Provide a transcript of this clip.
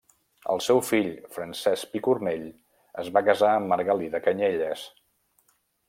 El seu fill Francesc Picornell es va casar amb Margalida Canyelles.